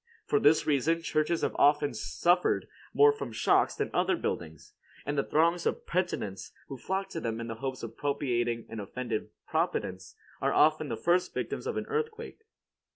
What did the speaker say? For this reason, churches have often suffered more from shocks than other buildings, and the throngs of penitents who flock to them in the hope of propitiating an offended providence are often the first victims of an earthquake.